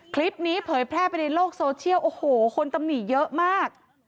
เผยแพร่ไปในโลกโซเชียลโอ้โหคนตำหนิเยอะมาก